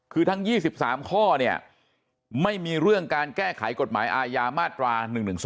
คือทั้ง๒๓ข้อเนี่ยไม่มีเรื่องการแก้ไขกฎหมายอาญามาตรา๑๑๒